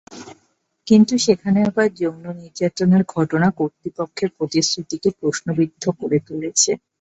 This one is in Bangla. কিন্তু সেখানে আবার যৌন নির্যাতনের ঘটনা কর্তৃপক্ষের প্রতিশ্রুতিকে প্রশ্নবিদ্ধ করে তুলেছে।